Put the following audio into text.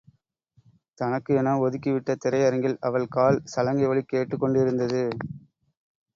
தனக்கு என ஒதுக்கிவிட்ட திரை அரங்கில் அவள் கால் சலங்கை ஒலி கேட்டுக் கொண்டிருந்தது.